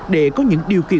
để có những điều kiện